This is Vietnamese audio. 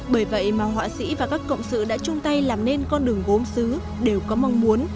bởi vậy mà họa sĩ và các cộng sự đã chung tay làm nên con đường gốm xứ đều có mong muốn